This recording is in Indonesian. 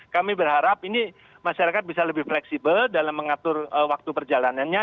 kami berharap ini masyarakat bisa lebih fleksibel dalam mengatur waktu perjalanannya